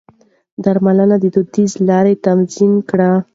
د درملنې دوديزې لارې يې تنظيم کړې.